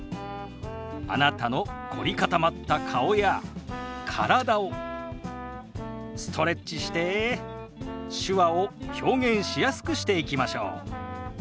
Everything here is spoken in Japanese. あなたの凝り固まった顔や体をストレッチして手話を表現しやすくしていきましょう。